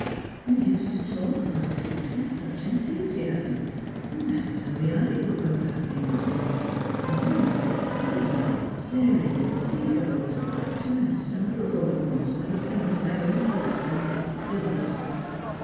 You used to talk of our future with such enthusiasm, and now it is only I who go babbling on; and you sit silent staring at the sea gulls, till I am startled all at once by the sound of my own voice in the utter stillness.